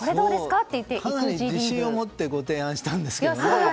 かなり自信を持ってご提案したんですけどね。